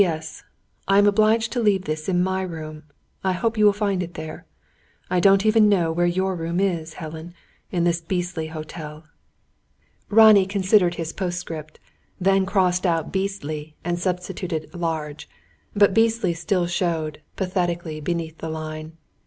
S. I am obliged to leave this in my room. I hope you will find it there. I don't even know where your room is, Helen, in this beastly hotel." Ronnie considered his postscript; then crossed out "beastly" and substituted "large." But "beastly" still showed, pathetically, beneath the line.